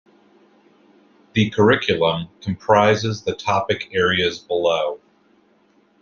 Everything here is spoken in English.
The curriculum comprises the topic areas below.